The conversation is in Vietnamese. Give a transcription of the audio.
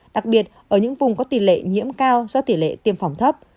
đặc biệt ở những vùng có tỷ lệ nhiễm cao do tỷ lệ tiêm phòng thấp